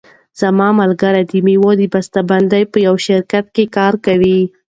زما ملګری د مېوو د بسته بندۍ په یوه شرکت کې کار کوي.